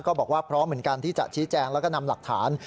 บอกว่าพร้อมเหมือนกันที่จะชี้แจงแล้วก็นำหลักฐาน